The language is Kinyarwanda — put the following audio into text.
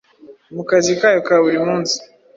Mu kazi kayo ka buri munsi,